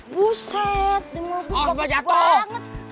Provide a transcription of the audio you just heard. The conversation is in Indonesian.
buset ini mobil bagus banget